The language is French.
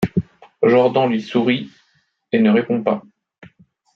Jordan lui sourit et ne répond pas.